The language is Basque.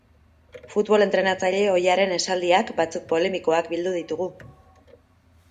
Futbol entrenatzaile ohiaren esaldiak, batzuk polemikoak, bildu ditugu.